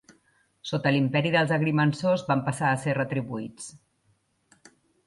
Sota l'imperi els agrimensors van passar a ser retribuïts.